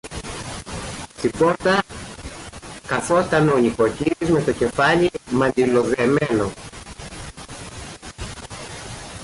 Στην πόρτα κάθουνταν ο νοικοκύρης με το κεφάλι μαντιλοδεμένο